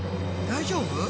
大丈夫？